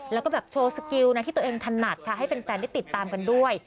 แล้วก็แบบโชว์สกิลนะที่ตัวเองถนัดค่ะให้แฟนได้ติดตามกันด้วย